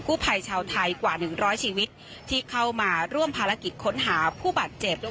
ผู้ภัยชาวไทยกว่าหนึ่งร้อยชีวิตที่เข้ามาร่วมภารกิจค้นหาผู้บาดเจ็บ